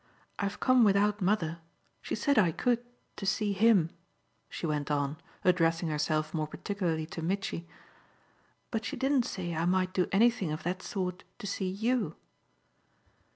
I've come without mother she said I could, to see HIM," she went on, addressing herself more particularly to Mitchy. "But she didn't say I might do anything of that sort to see YOU."